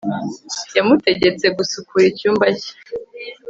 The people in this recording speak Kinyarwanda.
yamutegetse gusukura icyumba cye